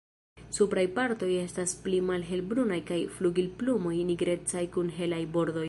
Supraj partoj estas pli malhelbrunaj kaj flugilplumoj nigrecaj kun helaj bordoj.